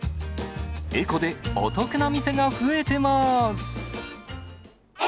エコでお得な店が増えてます。